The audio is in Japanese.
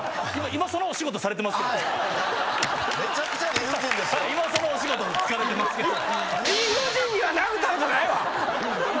今そのお仕事に就かれてますけど。